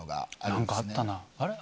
何かあったな。